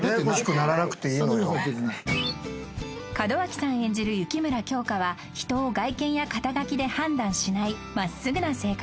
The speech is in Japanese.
［門脇さん演じる雪村京花は人を外見や肩書で判断しない真っすぐな性格］